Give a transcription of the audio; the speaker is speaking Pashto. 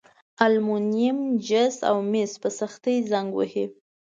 المونیم، جست او مس په سختي زنګ وهي.